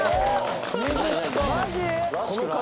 「マジ？」